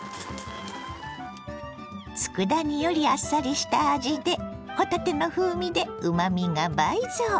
つくだ煮よりあっさりした味で帆立ての風味でうまみが倍増！